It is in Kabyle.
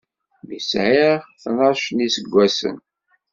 Mi sɛiɣ tnac n yiseggasen.